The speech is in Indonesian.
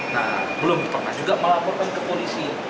nah belum pernah juga melaporkan ke polisi